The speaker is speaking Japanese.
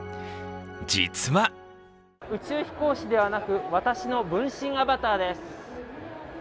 実は宇宙飛行士ではなく私の分身アバターです。